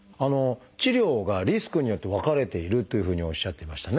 治療がリスクによって分かれているというふうにおっしゃっていましたね。